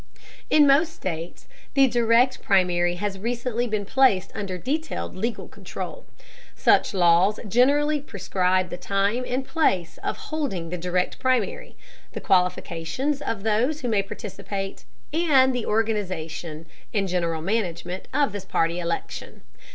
In most states the Direct Primary has recently been placed under detailed legal control. Such laws generally prescribe the time and place of holding the Direct Primary, the qualifications of those who may participate, and the organization and general management of this party election.